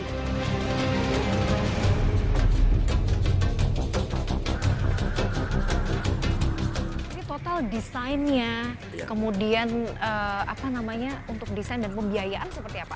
ini total desainnya kemudian apa namanya untuk desain dan pembiayaan seperti apa